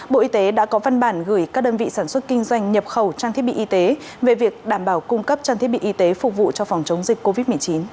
bộ y tế đã có văn bản gửi các đơn vị sản xuất kinh doanh nhập khẩu trang thiết bị y tế về việc đảm bảo cung cấp trang thiết bị y tế phục vụ cho phòng chống dịch covid một mươi chín